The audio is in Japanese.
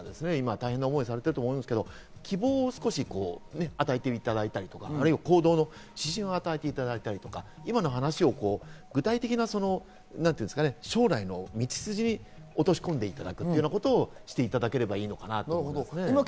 そういうことで飲食店の方とか大変な思いをされてると思いますが、希望を与えていただいたりとか、行動の指針を与えていただいたりとか、今の話を具体的な将来の道筋に落とし込んでいくみたいなことをしていただけたらいいかなと思います。